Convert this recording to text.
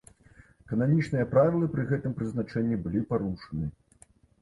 Кананічныя правілы пры гэтым прызначэнні былі парушаны.